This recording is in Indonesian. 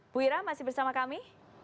bu ira masih bersama kami